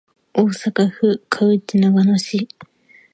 大阪府河内長野市